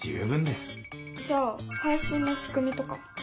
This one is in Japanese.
じゃあ配信のしくみとか？